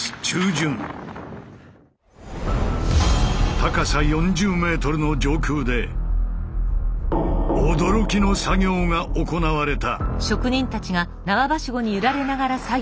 高さ４０ｍの上空で驚きの作業が行われた。